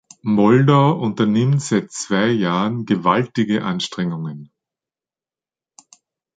Moldau unternimmt seit zwei Jahren gewaltige Anstrengungen.